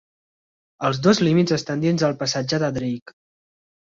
Els dos límits estan dins del Passatge de Drake.